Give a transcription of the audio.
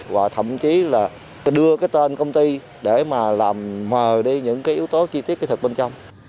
và thậm chí là đưa cái tên công ty để mà làm mờ đi những cái yếu tố chi tiết kỹ thực bên trong